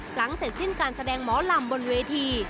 หลังเสร็จสิ้นการแสดงหมอลำบนเวที